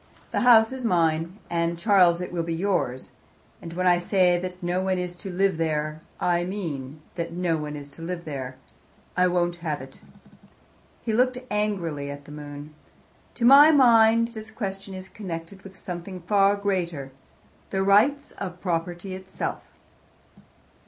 The house is mine and, Charles, it will be yours and when I say that no one is to live there, I mean that no one is to live there. I won't have it." He looked angrily at the moon. "To my mind this question is connected with something far greater, the rights of property itself."